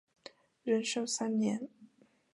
仁寿三年。